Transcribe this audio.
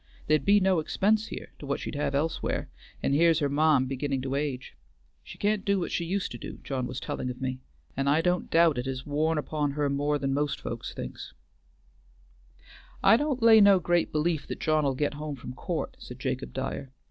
There'd be no expense here to what she'd have elsewhere, and here's her ma'am beginnin' to age. She can't do what she used to, John was tellin' of me; and I don't doubt 't 'as worn upon her more'n folks thinks." "I don't lay no great belief that John'll get home from court," said Jacob Dyer.